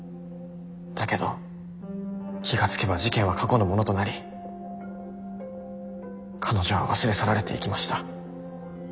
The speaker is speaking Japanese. だけど気が付けば事件は過去のものとなり彼女は忘れ去られていきました。